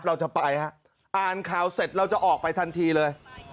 เราจะไปฮะอ่านข่าวเสร็จเราจะออกไปทันทีเลย